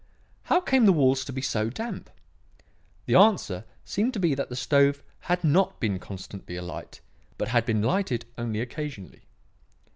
How came the walls to be so damp? The answer seemed to be that the stove had not been constantly alight, but had been lighted only occasionally.